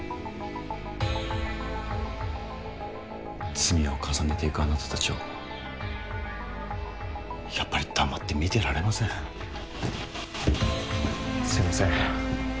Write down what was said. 罪を重ねていくあなたたちをやっぱり黙って見てられませんすいません